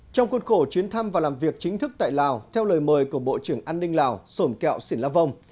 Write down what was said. trong cuốn khổ chuyến thăm và làm việc chính thức tại lào theo lời mời của bộ trưởng an ninh lào sổm kẹo sỉn la vong